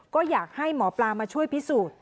ก็อยากให้หมอปลามาช่วยพิสูจน์